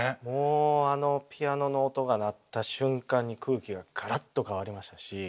もうあのピアノの音が鳴った瞬間に空気がガラッと変わりましたし。